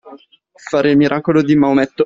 Fare il miracolo di Maometto.